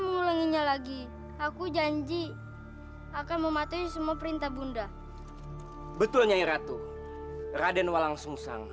mengulanginya lagi aku janji akan mematuhi semua perintah bunda betulnya iratu raden walangsungsang